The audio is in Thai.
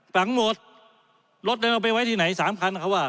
ผลังหมวดรถนั้นเอาไปไว้ที่ไหน๓ครั้งเขาว่า